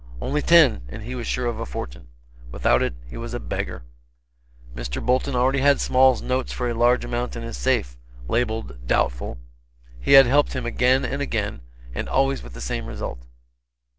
Only ten, and he was sure of a fortune. Without it he was a beggar. Mr. Bolton had already Small's notes for a large amount in his safe, labeled "doubtful;" he had helped him again and again, and always with the same result.